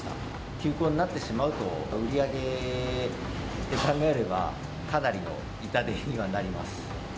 休校になってしまうと、売り上げで考えれば、かなりの痛手にはなります。